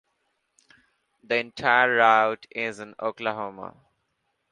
The entire route is in Oklahoma.